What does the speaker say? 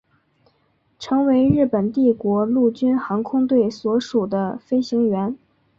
成为日本帝国陆军航空队所属的飞行员。